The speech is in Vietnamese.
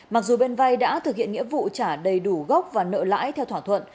mặc dù bên vay đã thực hiện nghĩa vụ trả đầy đủ gốc và nợ lãi theo thỏa thuận